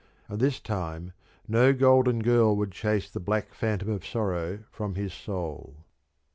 And this time no golden girl would chase the black phantom of sorrow from his soul.